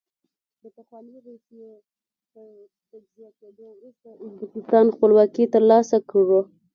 د پخوانۍ روسیې تر تجزیه کېدو وروسته ازبکستان خپلواکي ترلاسه کړه.